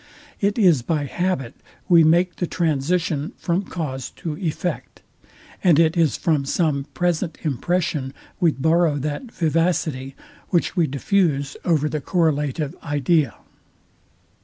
It is by habit we make the transition from cause to effect; and it is from some present impression we borrow that vivacity, which we diffuse over the correlative idea.